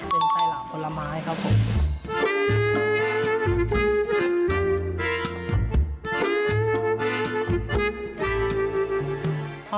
เป็นไส้หลาบผลไม้ครับผม